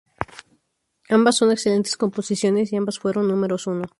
Ambas son excelentes composiciones y ambas fueron números uno.